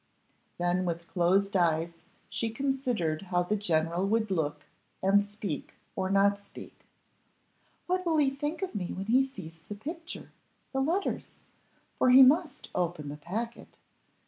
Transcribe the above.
Then with closed eyes she considered how the general would look, and speak, or not speak. "What will he think of me when he sees the picture the letters? for he must open the packet.